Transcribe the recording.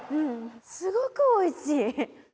すごく美味しい。